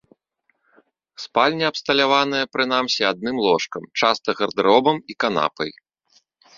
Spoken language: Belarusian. Спальня абсталяваная прынамсі адным ложкам, часта гардэробам і канапай.